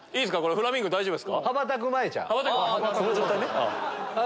フラミンゴ大丈夫ですか？